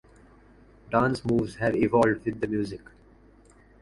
Dance moves have evolved with the music.